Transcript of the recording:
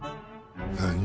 何？